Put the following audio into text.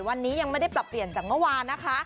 วันนี้ยังไม่ได้ปรับเปลี่ยนจากเมื่อวานนะคะ